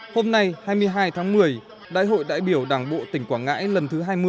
hôm nay hai mươi hai tháng một mươi đại hội đại biểu đảng bộ tỉnh quảng ngãi lần thứ hai mươi